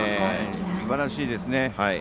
すばらしいですね。